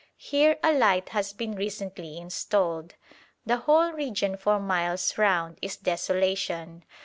Here a light has been recently installed. The whole region for miles round is desolation.